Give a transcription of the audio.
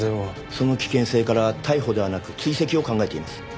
その危険性から逮捕ではなく追跡を考えています。